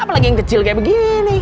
apalagi yang kecil kayak begini